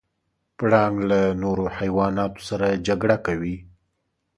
پړانګ له نورو حیواناتو سره جګړه کوي.